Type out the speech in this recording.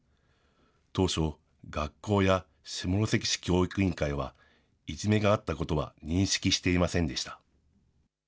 当初、学校や下関市教育委員会は、いじめがあったことは認識していませんでした。